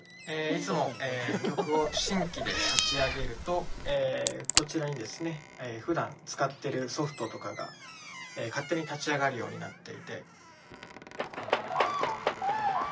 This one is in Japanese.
いつも曲を新規で立ち上げるとこちらにですねふだん使ってるソフトとかが勝手に立ち上がるようになっていて。